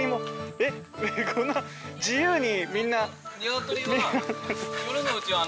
えっこんな自由にみんな。